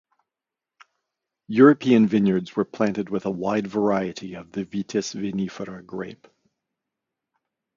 European vineyards were planted with a wide variety of the "Vitis vinifera" grape.